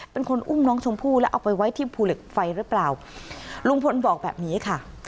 เป็นคนอุ้มน้องชมพู่แล้วเอาไปไว้ที่ภูเหล็กไฟหรือเปล่าลุงพลบอกแบบนี้ค่ะ